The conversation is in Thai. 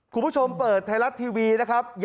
คุณผู้ชมเปิดไทยรัตน์ทีวีนะครับ